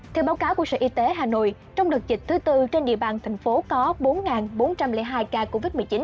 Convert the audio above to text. theo báo cáo của sở y tế hà nội trong đợt dịch thứ tư trên địa bàn thành phố có bốn bốn trăm linh hai ca covid một mươi chín